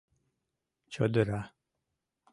Чодыра.